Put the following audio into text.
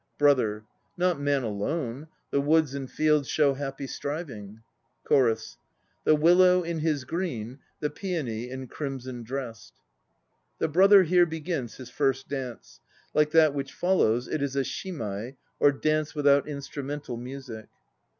BROTHER. Not man alone; the woods and fields Show happy striving. CHORUS. The willow in his green, the peony In crimson dressed. (The BROTHER here begins his first dance; like that which follows, it is a "shimai" or dance without instrumental music.)